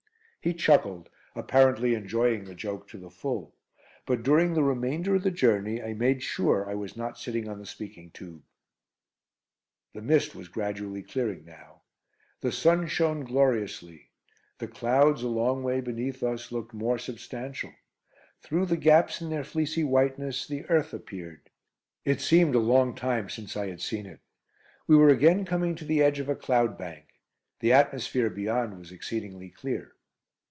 He chuckled, apparently enjoying the joke to the full, but during the remainder of the journey I made sure I was not sitting on the speaking tube. The mist was gradually clearing now. The sun shone gloriously, the clouds, a long way beneath us, looked more substantial; through the gaps in their fleecy whiteness the earth appeared. It seemed a long time since I had seen it. We were again coming to the edge of a cloud bank. The atmosphere beyond was exceedingly clear.